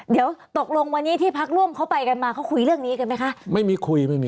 เดี๋ยวตกลงวันนี้ที่พักร่วมเขาไปกันมาเขาคุยเรื่องนี้กันไหมคะไม่มีคุยไม่มี